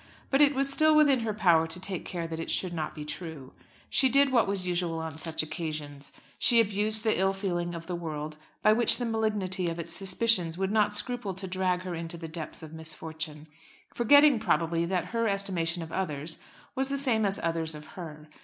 But it was still within her power to take care that it should not be true. She did what was usual on such occasions. She abused the ill feeling of the world which by the malignity of its suspicions would not scruple to drag her into the depths of misfortune, forgetting probably that her estimation of others was the same as others of her.